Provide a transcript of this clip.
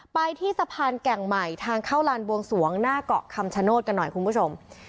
ไปที่สะพานแก่งใหม่ทางเข้าลานบวงสวงหน้าเกาะคำชโนธกันหน่อยคุณผู้ชม